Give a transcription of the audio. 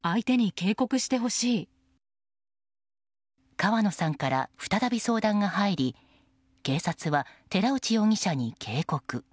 川野さんから再び相談が入り警察は寺内容疑者に警告。